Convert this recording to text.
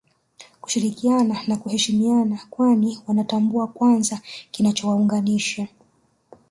Kushirikiana na kuheshimiana kwani Wanatambua kwanza kinachowaunganisha